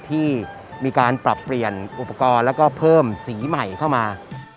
ที่มีการปรับเปลี่ยนอุปกรณ์แล้วก็เพิ่มสีใหม่เข้ามา